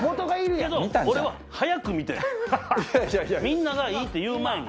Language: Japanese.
みんながいいって言う前に。